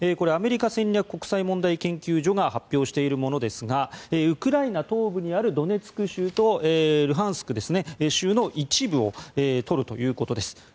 アメリカ戦略国際問題研究所が発表しているものですがウクライナ東部にあるドネツク州とルハンスク州の一部を取るということです。